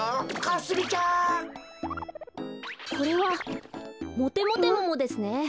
これはモテモテモモですね。